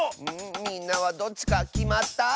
みんなはどっちかきまった？